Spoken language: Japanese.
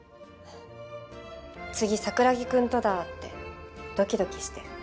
次桜木くんとだってドキドキして。